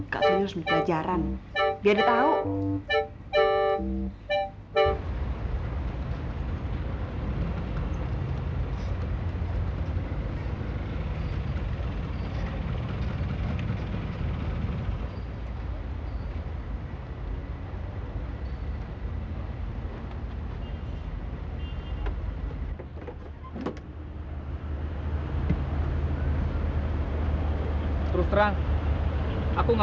kak sonya harus berpelajaran